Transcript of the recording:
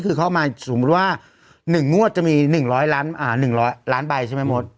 คือเข้ามาสมมุติว่า๑งวดจะมี๑๐๐ล้านใบใช่ไหมมด